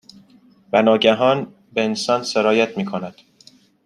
و ناگهان، به انسان سرایت میکند